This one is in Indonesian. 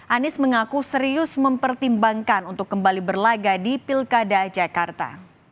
anies mengaku serius mempertimbangkan untuk kembali berlaga di pilkada jakarta